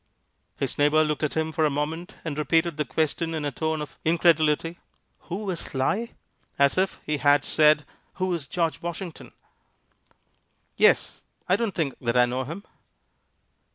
His neighbor looked at him for a moment, and repeated the question in a tone of incredulity "Who is Sly?" as if he had said, Who is George Washington? "Yes; I don't think that I know him."